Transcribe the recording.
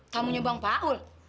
tamunya bang paul